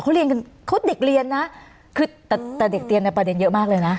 เขาเรียนกันเขาเด็กเรียนนะคือแต่เด็กเรียนในประเด็นเยอะมากเลยนะ